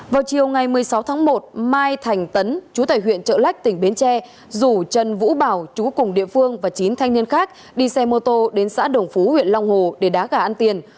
vào chiều ngày một mươi sáu tháng một mai thành tấn chú tại huyện trợ lách tỉnh bến tre rủ trần vũ bảo chú cùng địa phương và chín thanh niên khác đi xe mô tô đến xã đồng phú huyện long hồ để đá gà ăn tiền